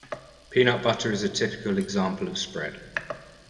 Peanut butter is a typical example of spread.